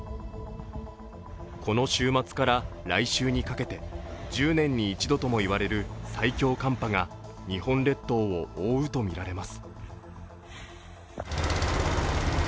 この週末から来週にかけて１０年に一度ともいわれる最強寒波が日本列島を覆うとみられます。